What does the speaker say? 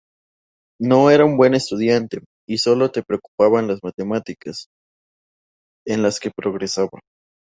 No era buen estudiante y solo le preocupaban las matemáticas, en las que progresaba.